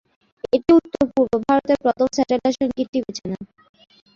এটি উত্তর-পূর্ব ভারতের প্রথম স্যাটেলাইট সঙ্গীত টিভি চ্যানেল।